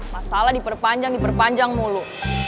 masalah diperpanjang diperpanjang mulu